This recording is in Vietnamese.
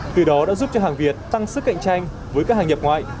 từ đó đã giúp cho hàng việt tăng sức cạnh tranh với các hàng nhập ngoại